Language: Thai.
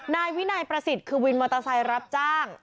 นายวินัยประสิทธิ์คือวินมอเตอร์ไซค์รับจ้าง